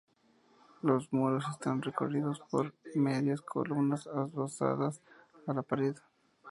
Los muros están recorridos por medias columnas adosadas a la pared.